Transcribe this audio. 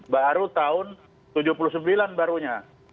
baru tahun seribu sembilan ratus tujuh puluh sembilan barunya